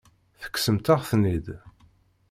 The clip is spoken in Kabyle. Tekksemt-aɣ-ten-id.